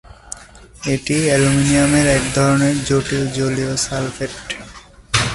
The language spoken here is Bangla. এটি অ্যালুমিনিয়ামের এক ধরনের জটিল জলীয় সালফেট।